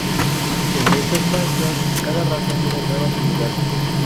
En esta expansión cada raza tiene nuevas unidades.